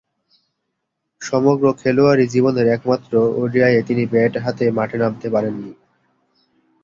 সমগ্র খেলোয়াড়ী জীবনের একমাত্র ওডিআইয়ে তিনি ব্যাট হাতে মাঠে নামতে পারেননি।